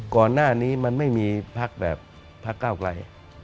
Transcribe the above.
ก่อนหน้านี้มันไม่มีพักแบบพักเก้าไกล